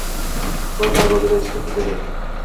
Va darvozadan chiqib ketadi..